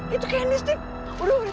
itu ken steve tolong ini